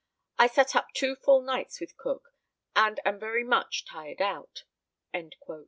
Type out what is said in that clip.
I sat up two full nights with Cook, and am very much tired out."